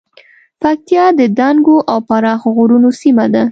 پکتیا د دنګو او پراخو غرونو سیمه ده